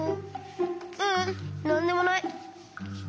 ううんなんでもない。